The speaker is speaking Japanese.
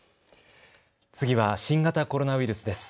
次は新型コロナウイルスです。